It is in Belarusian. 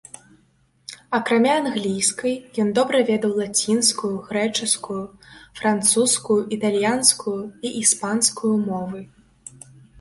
Акрамя англійскай, ён добра ведаў лацінскую, грэчаскую, французскую, італьянскую і іспанскую мовы.